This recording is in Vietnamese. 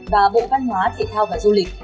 và bộ văn hóa thể thao và du lịch